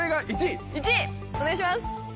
１位お願いします。